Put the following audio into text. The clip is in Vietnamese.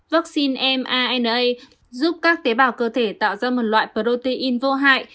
vaccine mana giúp các tế bào cơ thể tạo ra một loại protein vô hại